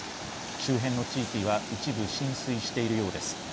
周辺の地域は一部浸水しているようです。